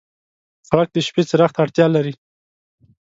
سړک د شپې څراغ ته اړتیا لري.